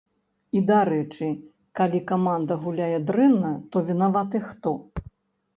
І, дарэчы, калі каманда гуляе дрэнна, то вінаваты хто?